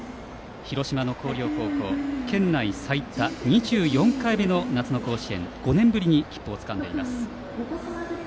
広島の広陵高校県内最多２４回目の夏の甲子園５年ぶりに切符をつかんでいます。